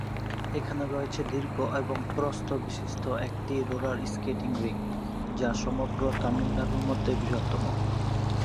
এখানে রয়েছে দীর্ঘ এবং প্রস্থ বিশিষ্ট একটি রোলার স্কেটিং রিং, যা সমগ্র তামিলনাড়ুর মধ্যে বৃহত্তম।